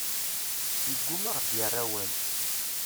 Yeggumma ad aɣ-d-yerr awal.